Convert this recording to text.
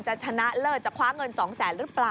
ชนะเลิศจะคว้าเงิน๒แสนหรือเปล่า